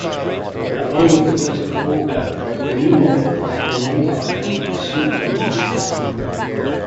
Along with the vertical auger, the new model had a new hydraulic snow-dumping system.